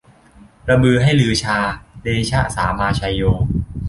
ระบือให้ลือชา เดชะสามาไชโย